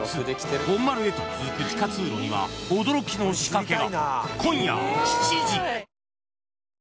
本丸へと続く地下通路には驚きの仕掛けが。